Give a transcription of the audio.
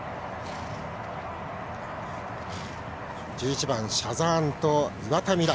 １１番シャザーンと岩田望来。